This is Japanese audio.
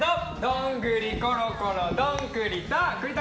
どんぐりころころどん栗田！